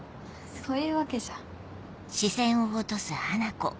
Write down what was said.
そういうわけじゃ。